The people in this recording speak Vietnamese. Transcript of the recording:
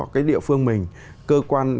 cái địa phương mình cơ quan